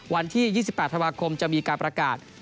วันที่๒๘ธันวาคมจะมีการประกาศ